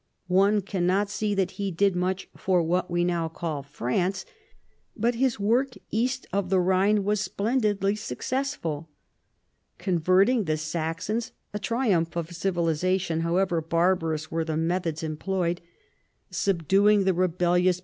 One cannot see that he did much for what we now call France, but his work east of the Rhine was splendidly successful. Converting the Saxons, — a triumph of civilization, however barbarous were the methods employed, — subduing the rebellious RESULTS.